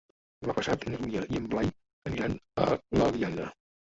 Demà passat na Dúnia i en Blai aniran a l'Eliana.